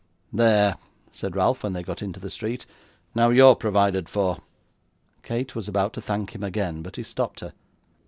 'There!' said Ralph when they got into the street; 'now you're provided for.' Kate was about to thank him again, but he stopped her.